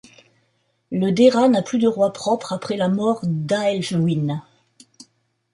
Le Deira n'a plus de roi propre après la mort d'Ælfwine.